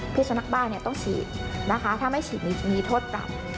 สุนัขบ้านต้องฉีดนะคะถ้าไม่ฉีดมีโทษปรับ